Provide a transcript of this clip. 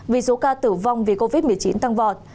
vì số ca tử vong vì covid một mươi chín tăng vọt